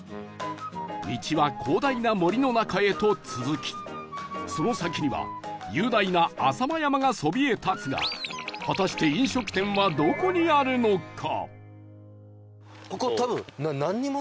道は広大な森の中へと続きその先には雄大な浅間山がそびえ立つが果たして飲食店はどこにあるのか？